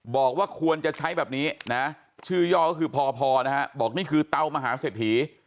บอกว่าควรจะใช้แบบนี้นะชื่อย่อก็คือพอนะฮะบอกนี่คือเตามหาเศรษฐี